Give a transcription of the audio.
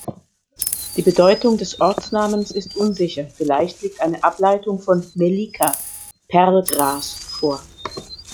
Die Bedeutung des Ortsnamens ist unsicher, vielleicht liegt eine Ableitung von "melica" «Perlgras» vor.